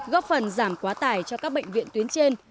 góp phần giảm quá tải cho các bệnh viện tuyến trên